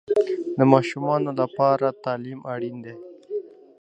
د ماشومانو لپاره تعلیم اړین دی.